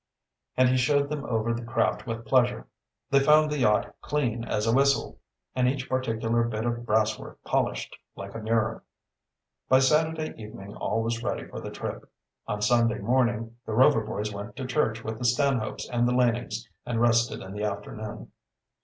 And he showed them over the craft with pleasure. They found the yacht clean "as a whistle," and each particular bit of brasswork polished like a mirror. By Saturday evening all was ready for the trip. On Sunday morning the Rover boys went to church with the Stanhopes and the Lanings, and rested in the afternoon.